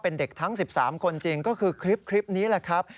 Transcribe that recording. เป็นเด็กทั้ง๑๓คนจริงก็คือคลิปนี้แหละครับ